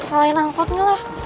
salahin angkutnya lah